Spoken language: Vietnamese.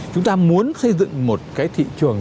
chúng ta muốn xây dựng một cái thị trường